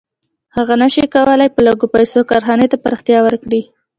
هغه نشي کولی په لږو پیسو کارخانې ته پراختیا ورکړي